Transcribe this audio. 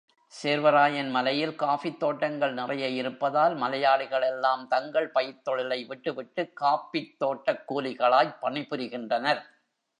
சேர்வராயன் மலையில் காஃபித் தோட்டங்கள் நிறைய இருப்பதால், மலையாளிகளெல்லாம் தங்கள் பயிர்த் தொழிலைவிட்டு விட்டுக் காஃபித்தோட்டக் கூலிகளாய்ப் பணிபுரிகின்றனர்.